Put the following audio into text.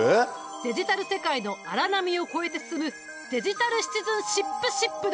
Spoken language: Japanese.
デジタル世界の荒波を越えて進むデジタルシチズンシップシップだ。